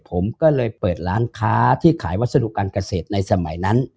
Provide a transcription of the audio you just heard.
ผมก็เลยเปิดร้านค้าที่ขายวัสดุการเกษตรในสมัยนั้น